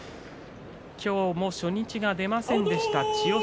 今日も初日が出ませんでした千代翔